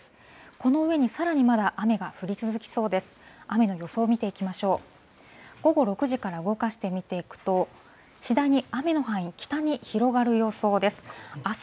この上にさらにまだ雨が降り続きそうです。